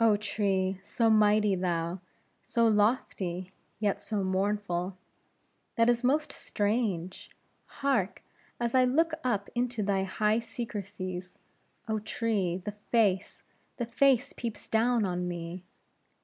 Oh, tree! so mighty thou, so lofty, yet so mournful! This is most strange! Hark! as I look up into thy high secrecies, oh, tree, the face, the face, peeps down on me!